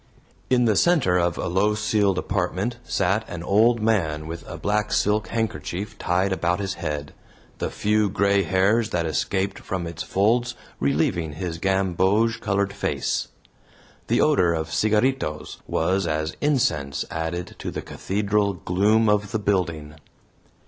In the center of a low ceiled apartment sat an old man with a black silk handkerchief tied about his head, the few gray hairs that escaped from its folds relieving his gamboge colored face. The odor of CIGARRITOS was as incense added to the cathedral gloom of the building.